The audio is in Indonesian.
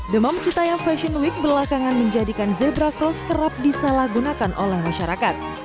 demam citayam fashion week belakangan menjadikan zebra cross kerap disalahgunakan oleh masyarakat